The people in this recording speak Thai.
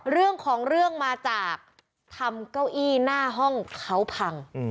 เรื่องของเรื่องมาจากทำเก้าอี้หน้าห้องเขาพัง